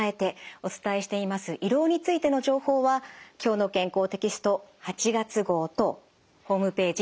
お伝えしています胃ろうについての情報は「きょうの健康」テキスト８月号とホームページ